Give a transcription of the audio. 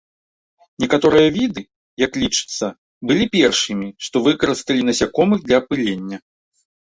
Некаторыя віды, як лічыцца, былі першымі, што выкарысталі насякомых для апылення.